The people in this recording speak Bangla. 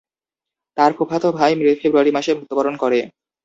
তার ফুফাতো ভাই ফেব্রুয়ারি মাসে মৃত্যুবরণ করে।